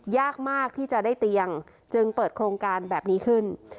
ยากมากที่จะได้เตียงจึงเปิดโครงการแบบนี้ขึ้น